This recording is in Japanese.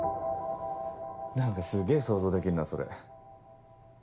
何かすげぇ想像できるなそれ。